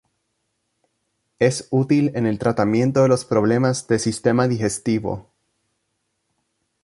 Es útil en el tratamiento de los problemas de sistema digestivo.